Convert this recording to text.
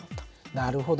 なるほど。